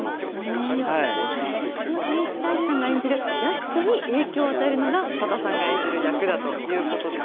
そんな上白石さんが演じる安子に影響を与えるのが、さださんが演そうなんです。